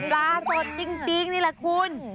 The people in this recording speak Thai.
ปลาสดจริงนี่แหละคุณ